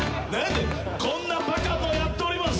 こんなバカとやっております。